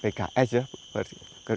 perjanjian kerja sama